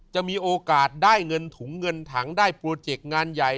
จะมีโอกาสได้เงินถุงเงินถังได้โปรเจกต์งานใหญ่